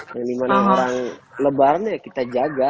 yang dimana orang lebarnya kita jaga